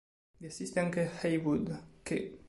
Vi assiste anche Haywood, che.